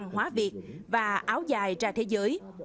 hóa việt và áo dài ra thế giới